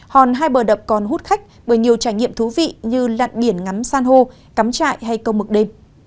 hòn hai bờ đập còn hút khách bởi nhiều trải nghiệm thú vị như lặn biển ngắm san hô cắm trại hay câu mực đêm